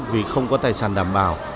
vì không có tài sản đảm bảo